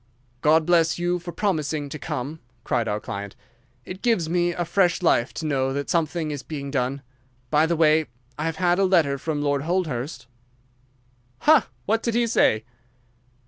"God bless you for promising to come," cried our client. "It gives me fresh life to know that something is being done. By the way, I have had a letter from Lord Holdhurst." "Ha! What did he say?"